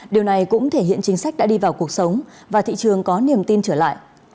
điều này cũng thể hiện chính sách đã đi vào cuộc sống và thị trường có niềm tin trở lại